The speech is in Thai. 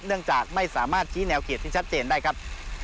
เนื่องจากไม่สามารถชี้แนวเขตที่ชัดเจนได้ครับ